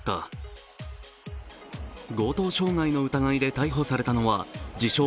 強盗傷害の疑いで逮捕されたのは自称